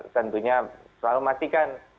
tentunya selalu masih kan